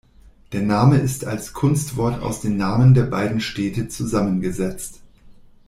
Der Name ist als Kunstwort aus den Namen der beiden Städte zusammengesetzt.